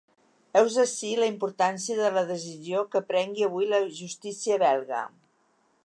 Heus ací la importància de la decisió que prengui avui la justícia belga.